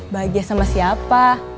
bahagia sama siapa